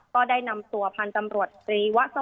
ก็ได้นำตัวพันธุ์ตำรวจอรีวะสวัสดิ์สุขภัย